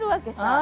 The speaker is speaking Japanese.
あ！